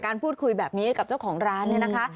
พูดคุยแบบนี้กับเจ้าของร้านเนี่ยนะคะ